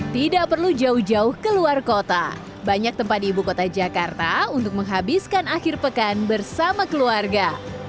tidak perlu jauh jauh ke luar kota banyak tempat di ibu kota jakarta untuk menghabiskan akhir pekan bersama keluarga